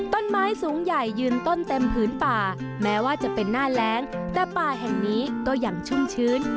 ต้นไม้สูงใหญ่ยืนต้นเต็มผืนป่าแม้ว่าจะเป็นหน้าแรงแต่ป่าแห่งนี้ก็ยังชุ่มชื้น